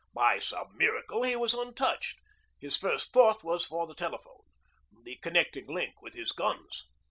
By some miracle he was untouched. His first thought was for the telephone the connecting link with his guns.